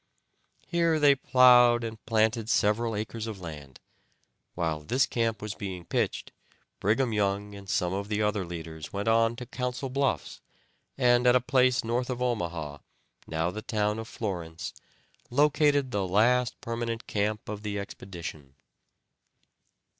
Here they plowed and planted several acres of land. While this camp was being pitched, Brigham Young and some of the other leaders went on to Council Bluffs and at a place north of Omaha, now the town of Florence, located the last permanent camp of the expedition.